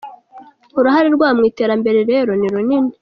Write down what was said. Uruhare rwabo mu iterambere rero ni runini.